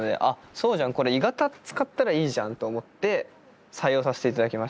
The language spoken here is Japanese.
そうじゃん「鋳型」使ったらいいじゃんと思って採用させて頂きました。